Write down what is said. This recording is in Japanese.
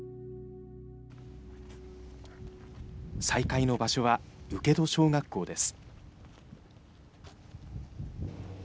再会の場所は、請戸小学校です。